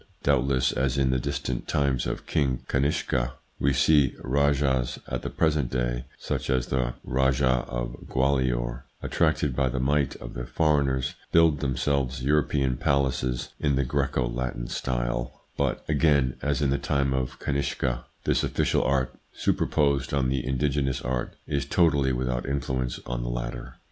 Doubtless, as in the distant times of King Kanishka, we see rajahs at the present day, such as the Rajah of Gwalior, attracted by the might of the foreigners, build them selves European palaces in the Greco Latin style, i 120 THE PSYCHOLOGY OF PEOPLES: but again as in the time of Kanishka this official art, superposed on the indigenous art, is totally without influence on the latter.